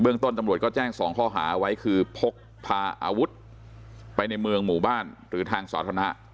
ต้นตำรวจก็แจ้ง๒ข้อหาไว้คือพกพาอาวุธไปในเมืองหมู่บ้านหรือทางสาธารณะ